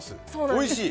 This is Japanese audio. おいしい。